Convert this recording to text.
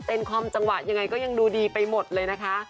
เต้นคอมจังหวะยังดูดีไปหมดเลยนะคะ